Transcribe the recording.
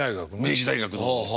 明治大学の方で。